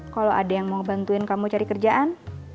kalau ada yang mau bantuin kamu cari kerjaan